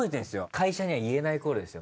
会社には言えない頃ですよ